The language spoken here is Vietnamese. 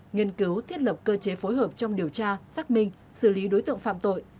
nghiên cứu thiết lập cơ chế phối hợp trong điều tra xác minh xử lý đối tượng phạm tội